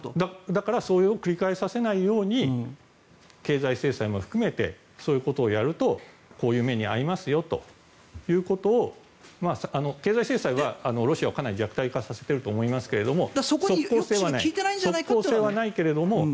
だから繰り返させないように経済制裁も含めてそういうことをやるとこういう目に遭いますよということを経済制裁はロシアをかなり弱体化させていると思いますが速効性はないけれど。